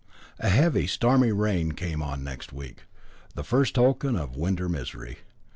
A heavy, stormy rain came on next week, the first token of winter misery.